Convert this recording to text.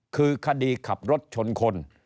คือคดีขับรถชนคน